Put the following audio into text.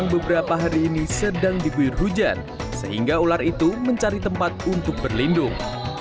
beberapa hari ini sedang diguyur hujan sehingga ular itu mencari tempat untuk berlindung